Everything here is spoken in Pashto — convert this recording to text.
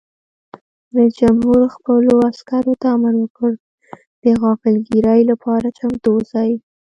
رئیس جمهور خپلو عسکرو ته امر وکړ؛ د غافلګیرۍ لپاره چمتو اوسئ!